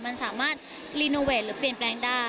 มันสามารถรีโนเวทหรือเปลี่ยนแปลงได้